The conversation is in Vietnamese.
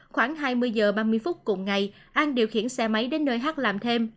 khoảng hai mươi h ba mươi phút cùng ngày an điều khiển xe máy đến nơi hát làm thêm